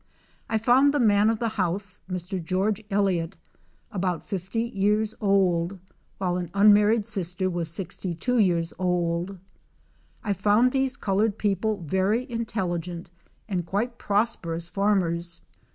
I found the man of the house, Mr. Geo. Elliott, about 50 years old, while an unmarried sister was 62 years old. I found these colored people very intelligent and quite prosperous farm ers.